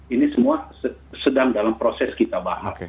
ini semua sedang dalam proses kita bahas